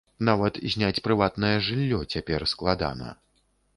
Нават зняць прыватнае жыллё цяпер складана.